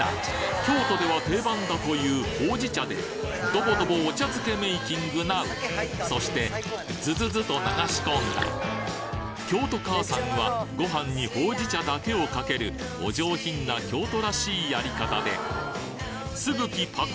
京都では定番だというほうじ茶でドボドボお茶漬けメイキングなうそしてズズズと流し込んだ京都母さんはご飯にほうじ茶だけをかけるお上品な京都らしいやり方ですぐきパクリからのお茶漬けをサラサラご堪能